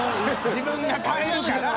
自分が変えるから。